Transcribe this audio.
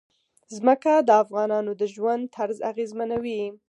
ځمکه د افغانانو د ژوند طرز اغېزمنوي.